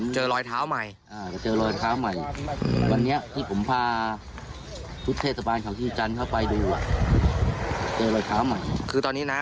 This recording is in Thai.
เจอรอยเท้าใหม่